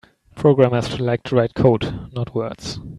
Programmers like to write code; not words.